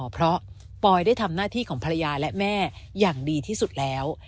เพราะปอยได้ทำหน้าที่ของภรรยาและแม่อย่างดีที่สุดแล้ว